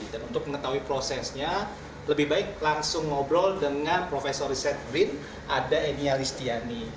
dan untuk mengetahui prosesnya lebih baik langsung ngobrol dengan prof riset rin ada enia listiani